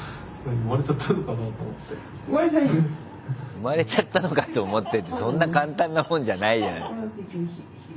産まれちゃったのかと思ってってそんな簡単なもんじゃないじゃん。